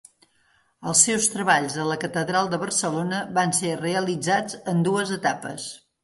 Els seus treballs a la catedral de Barcelona van ser realitzats en dues etapes.